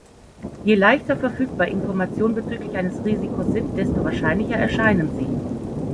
Je leichter verfügbar Informationen bezüglich eines Risikos sind, desto wahrscheinlicher erscheinen sie.